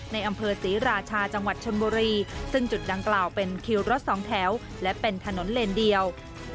ในอำเภอศรีราชาจังหวัดชนบุรีซึ่งจุดดังกล่าวเป็นคิวรถสองแถวและเป็นถนนเลนเดียว